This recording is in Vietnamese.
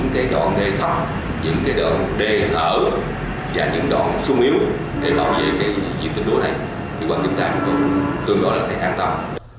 kế hoạch chúng ta cũng tương đối là thể an tâm